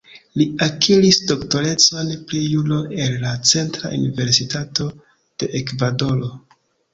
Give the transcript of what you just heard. Li akiris doktorecon pri Juro el la Centra Universitato de Ekvadoro.